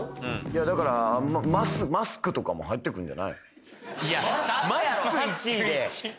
いやだからあんまマスクとかも入ってくるんじゃない？